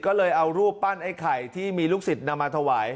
ก็เลยเอารูปปั้นไอ้ไข่ที่มีลูกศิษย์นำมาถวาย